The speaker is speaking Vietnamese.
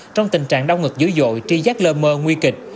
trong tình trạng đau ngực dữ dội tri giác lơ mơ nguy kịch